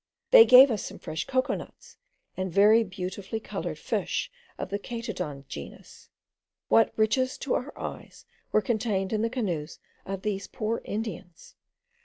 They gave us some fresh cocoa nuts, and very beautifully coloured fish of the Chaetodon genus. What riches to our eyes were contained in the canoes of these poor Indians!